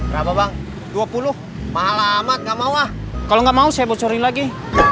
kenapa bang dua puluh malah amat nggak mau ah kalau nggak mau saya bocorin lagi